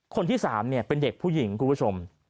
คนที่๓เป็นเด็กผู้หญิงคุณผู้ชม